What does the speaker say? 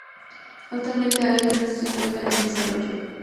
Actualmente hay una secuela en desarrollo.